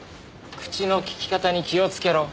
口の利き方に気をつけろ。